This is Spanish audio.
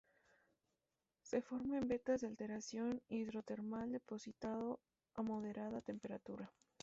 Se forma en vetas de alteración hidrotermal depositado a moderada temperatura.